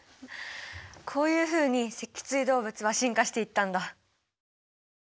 こういうふうに脊椎動物は進化していったんだ。